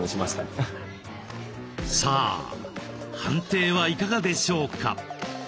さあ判定はいかがでしょうか。